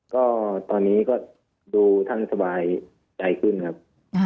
ก็ตอนนี้ก็ดูท่านสบายใจขึ้นครับ